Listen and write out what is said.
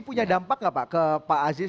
punya dampak nggak pak ke pak aziz